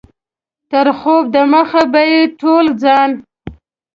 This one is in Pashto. تر خوب دمخه به یې ټول ځان.